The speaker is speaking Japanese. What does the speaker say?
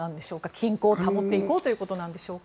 均衡を保っていこうということでしょうか。